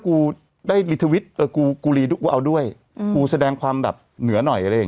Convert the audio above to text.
กูได้เอ่อกูกูเอาด้วยอืมกูแสดงความแบบเหนือหน่อยอะไรอย่าง